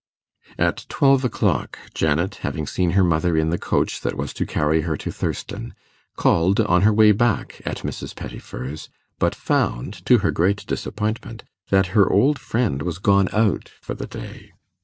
At twelve o'clock, Janet, having seen her mother in the coach that was to carry her to Thurston, called, on her way back, at Mrs. Pettifer's, but found, to her great disappointment, that her old friend was gone out for the day.